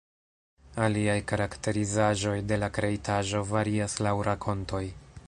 Aliaj karakterizaĵoj de la kreitaĵo varias laŭ rakontoj.